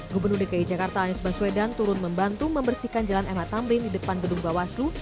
gubernur dki jakarta anies baswedan turun membantu membersihkan jalan mh tamrin di depan gedung bawaslu